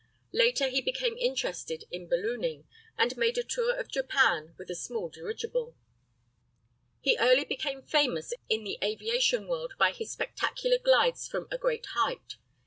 Later he became interested in ballooning, and made a tour of Japan with a small dirigible. [Illustration: Hamilton and Latham.] He early became famous in the aviation world by his spectacular glides from a great height.